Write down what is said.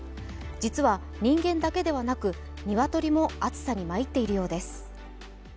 実は、人間だけではなく鶏も暑さにまいっているようです。